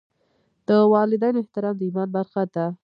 د والدینو احترام د ایمان برخه ده.